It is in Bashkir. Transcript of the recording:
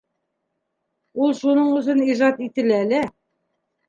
Ул шуның өсөн ижад ителә лә.